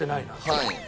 はい。